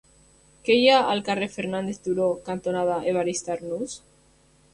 Què hi ha al carrer Fernández Duró cantonada Evarist Arnús?